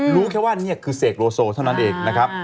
รู้แค่ว่านี่คือเสกโลโซเท่านั้นเองนะครับ